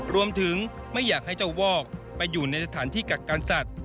รวมถึงไม่อยากให้เจ้าวอกไปอยู่ในสถานที่กักกันสัตว์